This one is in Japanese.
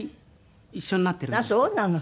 ああそうなの。